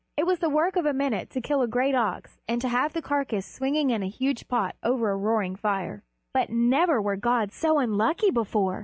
It was the work of a minute to kill a great ox and to have the carcass swinging in a huge pot over a roaring fire. But never were gods so unlucky before!